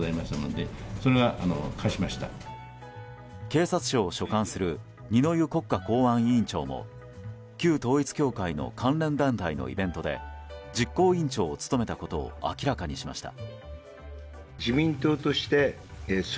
警察庁を所管する二之湯国家公安委員長も旧統一教会の関連団体のイベントで実行委員長を務めたことを明かしました。